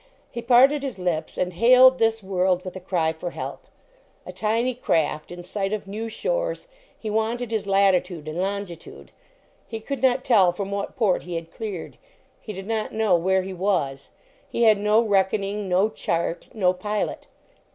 He parted his lips and hailed this world with a cry for help. A tiny craft in sight of new shores ; he wanted his latitude and lon gitude, lie could not tell from what port he had cleared; he did not know where he was; lie had no reckoning, no chart, no pilot.